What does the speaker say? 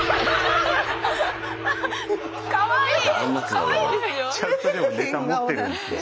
かわいい！